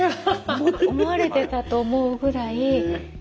思われてたと思うぐらい。